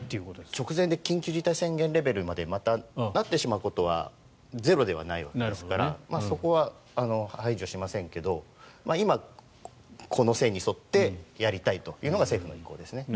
直前で緊急事態宣言レベルまでまたなってしまうことはゼロではないわけですからそこは排除しませんけど今、この線に沿ってやりたいというのが政府の意向ですね。